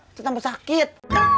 itu tambah sakit